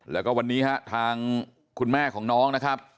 แล้วก็วันนี้ฮะทางคุณแม่ของน้องนะครับ